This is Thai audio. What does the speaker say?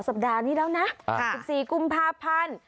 สัปดาห์นี้แล้วนะ๑๔กุมภาพันธ์